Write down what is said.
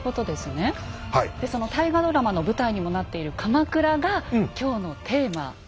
でその大河ドラマの舞台にもなっている「鎌倉」が今日のテーマ。